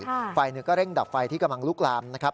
ใช่ไฟก็เร่งดับไฟที่กำลังลุกลามนะครับ